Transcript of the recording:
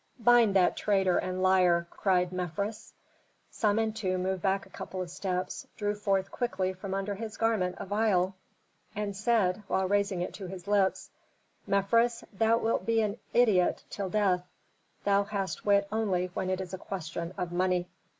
"Bind that traitor and liar!" cried Mefres. Samentu moved back a couple of steps, drew forth quickly from under his garment a vial, and said, while raising it to his lips, "Mefres, thou wilt be an idiot till death. Thou hast wit only when it is a question of money."